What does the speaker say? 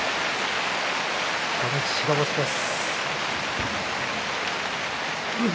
初日白星です。